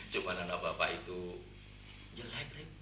cuma anak bapak itu jelek